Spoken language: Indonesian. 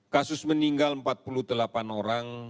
kasus meninggal empat puluh delapan orang